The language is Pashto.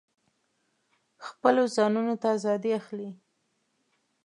خپلو ځانونو ته آزادي اخلي.